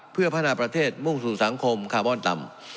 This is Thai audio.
เพื่อพัฒนาประเทศมุ่งสู่สังคมคาร์บอนต่ำ